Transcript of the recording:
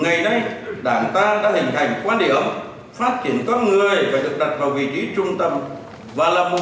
ngày nay đảng ta đã hình thành quan điểm phát triển các người phải được đặt vào vị trí trung tâm